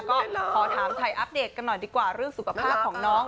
ก็ขอถามถ่ายอัปเดตกันหน่อยดีกว่าเรื่องสุขภาพของน้อง